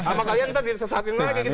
amak kalian nanti disesatin lagi